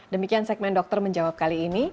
demikian segmen dokter menjawab kali ini